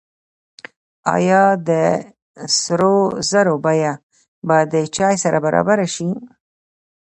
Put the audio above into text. آیا د سرو زرو بیه به د چای سره برابره شي؟